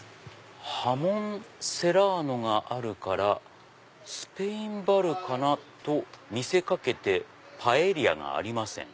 「ハモンセラーノがあるからスペインバルかな？と見せかけてパエリアがありません。